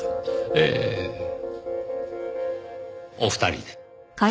ええお二人で。